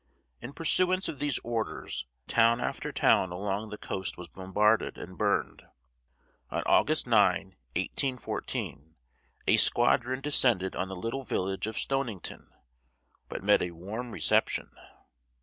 In pursuance of these orders, town after town along the coast was bombarded and burned. On August 9, 1814, a squadron descended on the little village of Stonington, but met a warm reception.